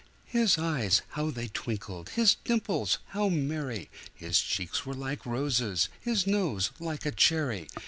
His eyes how they twinkled! his dimples how merry! His cheeks were like roses, his nose like a cherry!